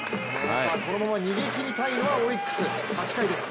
このまま逃げきりたいのはオリックス、８回です